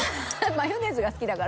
マヨネーズが好きだから。